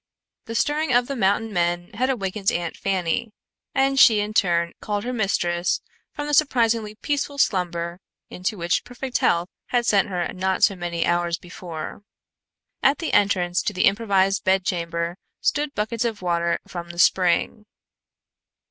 The stirring of the mountain men had awakened Aunt Fanny, and she in turn called her mistress from the surprisingly peaceful slumber into which perfect health had sent her not so many hours before. At the entrance to the improvised bedchamber stood buckets of water from the spring.